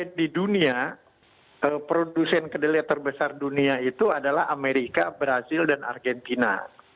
karena kedelai di dunia produsen kedelai terbesar dunia itu adalah amerika brazil dan argentina